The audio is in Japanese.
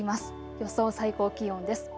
予想最高気温です。